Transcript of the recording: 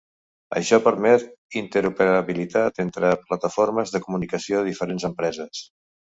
Això permet interoperabilitat entre plataformes de comunicació de diferents empreses.